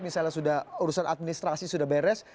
misalnya sudah urusan administrasi sudah beres